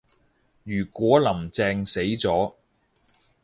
如果林鄭死咗